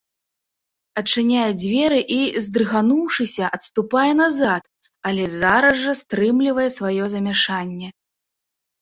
Адчыняе дзверы і, здрыгануўшыся, адступае назад, але зараз жа стрымлівае сваё замяшанне.